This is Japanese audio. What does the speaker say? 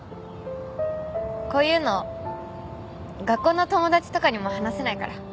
こういうの学校の友達とかにも話せないから。